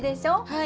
はい。